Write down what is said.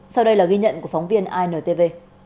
sau đây là ghi nhận của phóng viên intv